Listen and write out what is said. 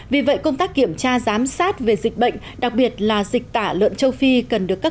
vì vậy công tác kiểm tra giám sát về dịch bệnh đặc biệt là dịch tả lợn châu phi cần được các